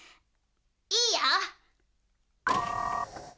いいよ。